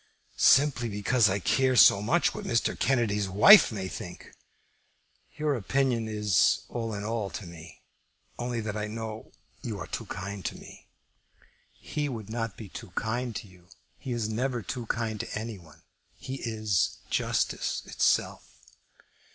"Simply because I care so much what Mr. Kennedy's wife may think. Your opinion is all in all to me, only that I know you are too kind to me." "He would not be too kind to you. He is never too kind to any one. He is justice itself."